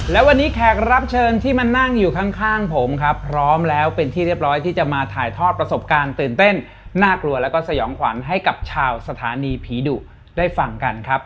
และวันนี้แขกรับเชิญที่มานั่งอยู่ข้างผมครับพร้อมแล้วเป็นที่เรียบร้อยที่จะมาถ่ายทอดประสบการณ์ตื่นเต้นน่ากลัวแล้วก็สยองขวัญให้กับชาวสถานีผีดุได้ฟังกันครับ